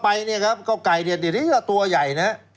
แต่ไก่เนี่ยอันตัวใหญ่